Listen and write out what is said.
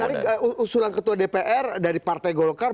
menarik usulan ketua dpr dari partai golkar